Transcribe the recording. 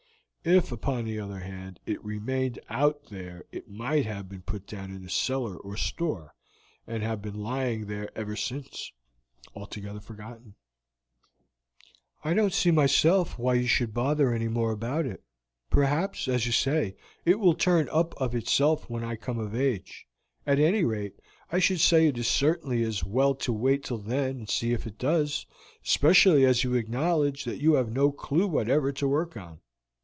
If, upon the other hand, it remained out there it might have been put down in a cellar or store, and have been lying there ever since, altogether forgotten." "I don't see myself why you should bother any more about it; perhaps, as you say, it will turn up of itself when I come of age. At any rate, I should say it is certainly as well to wait till then and see if it does, especially as you acknowledge that you have no clew whatever to work on.